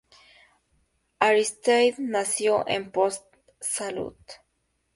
Aristide nació en Port-Salut.